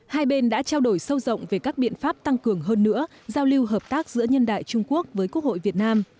hai bên đã trao đổi sâu rộng về các biện pháp tăng cường hơn nữa giao lưu hợp tác giữa nhân đại trung quốc với quốc hội việt nam